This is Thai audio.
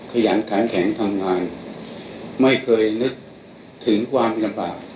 ขยันแข็งทำงานไม่เคยนึกถึงความลำบาก